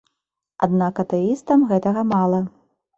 Аднак атэістам гэтага мала.